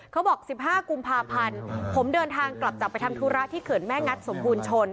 เขาบอกสิบห้ากุมภาพันธุ์ผมเดินทางกลับจากไปทำธุระที่เขินแม่งัดสมบูรณ์ชน